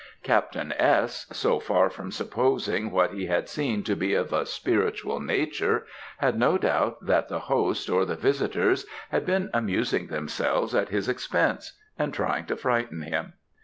Captain S., so far from supposing what he had seen to be of a spiritual nature, had no doubt that the host, or the visitors, had been amusing themselves at his expense, and trying to frighten him.